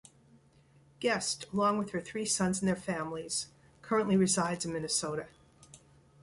Guest, along with her three sons and their families, currently resides in Minnesota.